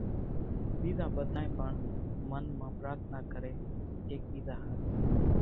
ٻيزان ٻڌانئين پڻ منَ مان پرارٿنا ڪري ايڪ ٻيزا ۿارُو